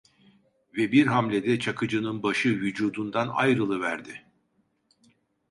Ve bir hamlede Çakıcı'nın başı vücudundan ayrılıverdi.